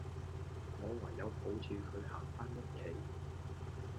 我唯有抱住佢行返屋企